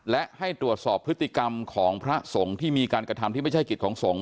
และให้ตรวจสอบพฤติกรรมของพระสงฆ์ที่มีการกระทำที่ไม่ใช่กิจของสงฆ